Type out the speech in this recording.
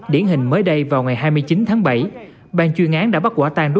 điển hình mới đây vào ngày hai mươi chín tháng bảy